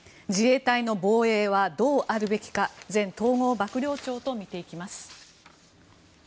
自衛隊の防衛はどうあるべきか前統合幕僚長と見ていきます。